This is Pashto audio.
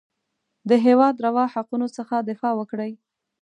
د هېواد روا حقونو څخه دفاع وکړي.